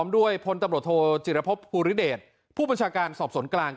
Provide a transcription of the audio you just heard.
ด้วยพตธจิรพพภูตริเดศผู้บัญชาการสอบสนกลาง